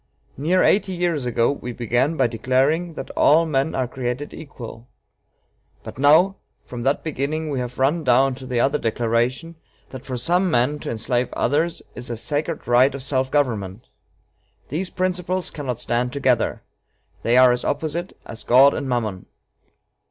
Near eighty years ago we began by declaring that all men are created equal; but now, from that beginning, we have run down to the other declaration, that for some men to enslave others is a 'sacred right of self government.' These principles cannot stand together. They are as opposite as God and Mammon."